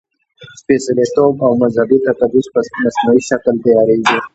سپېڅلتوب او مذهبي تقدس په مصنوعي شکل تیارېږي.